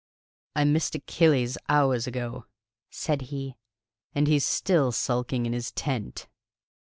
"I missed Achilles hours ago," said he. "And still he's sulking in his tent!"